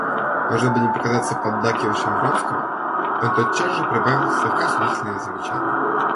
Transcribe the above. Но, чтобы не показаться поддакивающим Вронскому, он тотчас же прибавил слегка осудительное замечание.